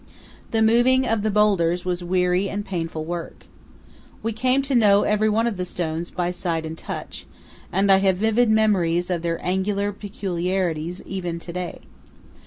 The moving of the boulders was weary and painful work. We came to know every one of the stones by sight and touch, and I have vivid memories of their angular peculiarities even to day.